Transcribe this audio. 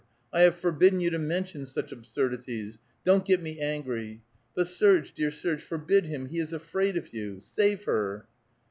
I have ' forbidden you to mention such absurdities. Don't get me I angry. But Serge, dear Serge, forbid him ; he is afraid of ; you. Save her